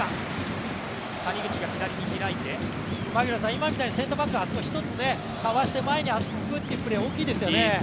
今みたいにセンターバック１つかわして前に行くプレー、大きいですよね。